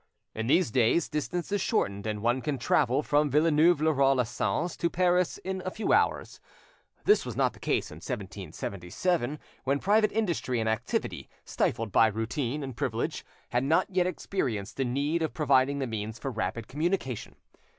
In these days, distance is shortened, and one can travel from Villeneuve le Roi les Sens to Paris in a few hours. This was not the case in 1777, when private industry and activity, stifled by routine and privilege, had not yet experienced the need of providing the means for rapid communication.